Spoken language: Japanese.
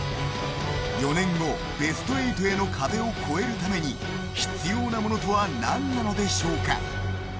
４年後、ベスト８への壁を超えるために必要なものとは何なのでしょうか。